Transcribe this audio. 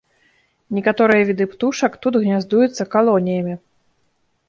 Некаторыя віды птушак тут гняздуюцца калоніямі.